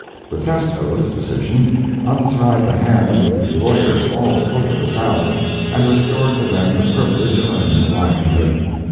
The test oath decision untied the hands of the lawyers all over the South, and restored to them the privilege of earning a livelihood.